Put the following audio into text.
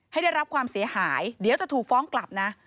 ได้รับความเสียหายเดี๋ยวจะถูกฟ้องกลับนะ